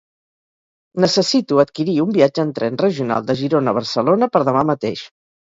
Necessito adquirir un viatge en tren regional de Girona a Barcelona per demà mateix.